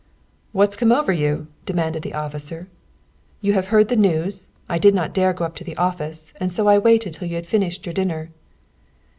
"What's come over you?" demanded the officer. "You have heard the news? I did not dare to go up to the office, and so I waited till you had finished your dinner."